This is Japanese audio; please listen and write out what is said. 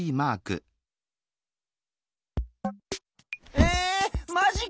えマジか！